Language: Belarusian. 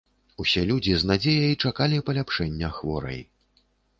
Усе людзі з надзеяй чакалі паляпшэння хворай.